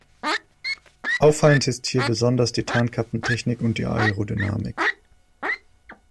Auffallend ist hier besonders die Tarnkappentechnik und die Aerodynamik.